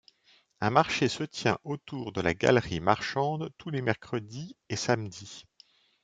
Un marché se tient autour de la galerie marchande tous les mercredis et samedis.